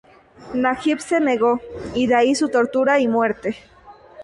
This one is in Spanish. Najib se negó y de ahí su tortura y muerte.